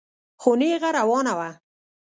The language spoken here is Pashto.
خو نېغه روانه وه.